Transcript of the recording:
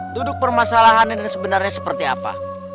duduk permasalahannya ini sebenarnya seperti apa